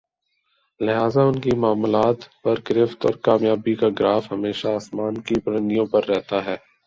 لہذا انکی معاملات پر گرفت اور کامیابی کا گراف ہمیشہ آسمان کی بلندیوں پر رہتا ہے